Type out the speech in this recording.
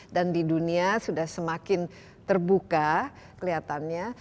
dan di dunia sudah semakin terbuka kelihatannya